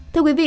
thưa quý vị